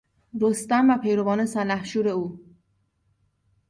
رستم و پیروان سلحشور او